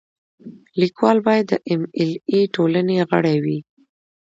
لیکوال باید د ایم ایل اې ټولنې غړی وي.